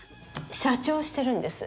社長をしてるんです。